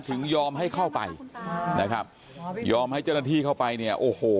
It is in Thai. ถึงยอมให้เข้าไปนะครับยอมให้เจ้าหน้าที่เข้าไปเนี่ยโอ้โห